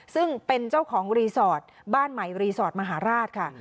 ซึ่งเป็นเจ้าของรีสอร์ทบ้านใหม่รีสอร์ทมหาราชค่ะ